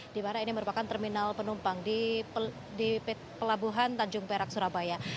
di mana ini merupakan terminal penumpang di pelabuhan tanjung perak surabaya